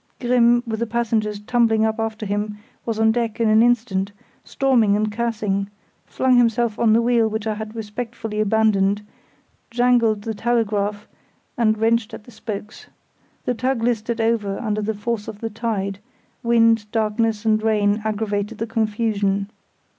Grimm, with the passengers tumbling up after him, was on deck in an instant, storming and cursing; flung himself on the wheel which I had respectfully abandoned, jangled the telegraph, and wrenched at the spokes. The tug listed over under the force of the tide; wind, darkness, and rain aggravated the confusion.